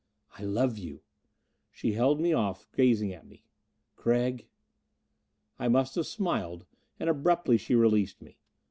"I love you." She held me off, gazing at me. "Gregg " I must have smiled. And abruptly she released me.